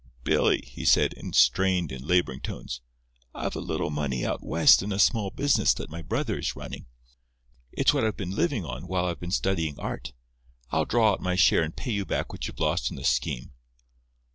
"Billy," he said, in strained and labouring tones, "I've a little money out West in a small business that my brother is running. It's what I've been living on while I've been studying art. I'll draw out my share and pay you back what you've lost on this scheme."